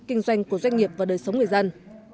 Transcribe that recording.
kinh doanh của doanh nghiệp và đời sống người dân